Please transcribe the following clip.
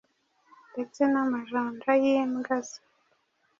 ndetse n’amajanja y’imbwa ze.